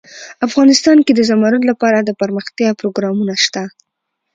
افغانستان کې د زمرد لپاره دپرمختیا پروګرامونه شته.